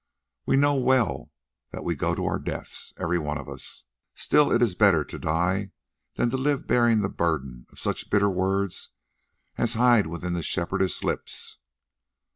We know well that we go to our death, every one of us; still it is better to die than to live bearing the burden of such bitter words as hide within the Shepherdess's lips."